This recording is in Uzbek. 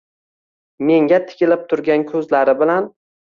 Menga tikilib turgan ko’zlari bilan